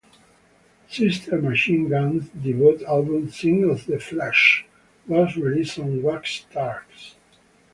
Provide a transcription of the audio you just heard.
Sister Machine Gun's debut album "Sins of the Flesh" was released on Wax Trax!